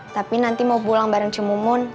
tapi nanti mau pulang bareng cemumun